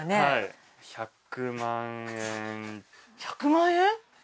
１００万円！？